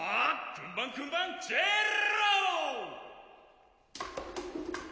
クンバンクンバンチェロ！